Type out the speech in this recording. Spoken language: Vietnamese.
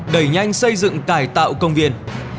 đẩy nhanh xây dựng cải tạo công viên